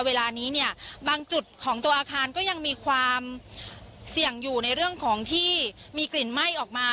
เวลานี้เนี่ยบางจุดของตัวอาคารก็ยังมีความเสี่ยงอยู่ในเรื่องของที่มีกลิ่นไหม้ออกมา